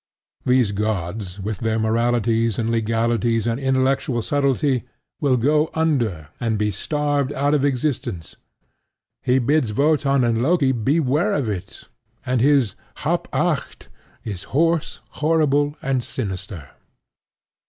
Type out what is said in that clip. These gods, with their moralities and legalities and intellectual subtlety, will go under and be starved out of existence. He bids Wotan and Loki beware of it; and his "Hab' Acht!" is hoarse, horrible, and sinister.